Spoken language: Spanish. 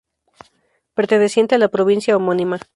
Perteneciente a la provincia homónima.